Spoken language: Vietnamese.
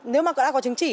nếu mà đã có chứng chỉ